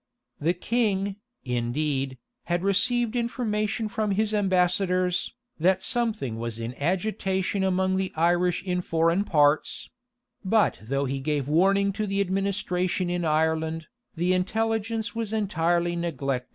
The king, indeed, had received information from his ambassadors, that something was in agitation among the Irish in foreign parts; but though he gave warning to the administration in Ireland, the intelligence was entirely neglected.